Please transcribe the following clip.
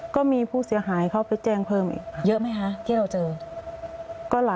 ก็มีผู้เสียหายเขาไปแจ้งเพิ่มอีกค่ะ